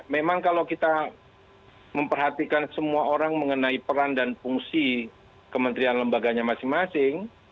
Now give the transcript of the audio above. memang kalau kita memperhatikan semua orang mengenai peran dan fungsi kementerian lembaganya masing masing